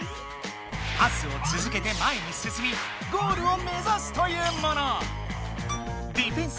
パスをつづけて前にすすみゴールを目ざすというもの。